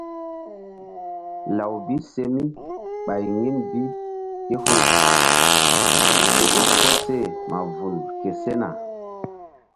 Law bi se mi ɓay yin bi ké hu ke ƴo koseh ma vul ke sena ye.